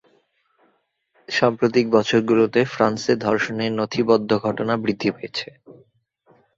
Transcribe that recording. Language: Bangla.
সাম্প্রতিক বছরগুলোতে ফ্রান্সে ধর্ষণের নথিবদ্ধ ঘটনা বৃদ্ধি পেয়েছে।